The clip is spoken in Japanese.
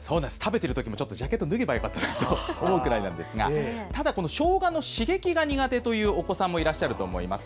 食べているときもジャケットを脱げばよかったかなと思ったんですがしょうがの刺激が苦手というお子さんもいらっしゃると思います。